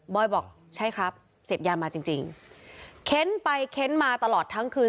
บอกใช่ครับเสพยามาจริงจริงเค้นไปเค้นมาตลอดทั้งคืน